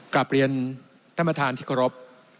กลับเรียนท่านประธานที่เคารพ